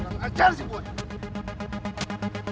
bisa jadi parallelepasi